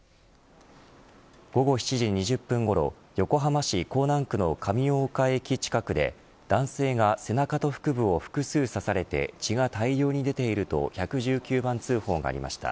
午後７時２０分ごろ横浜市港南区の上大岡駅近くで男性が背中と腹部を複数刺されて血が大量に出ていると１１９番通報がありました。